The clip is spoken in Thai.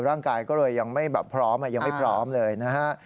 ร่างกายก็เลยยังไม่พร้อมเลยนะฮะ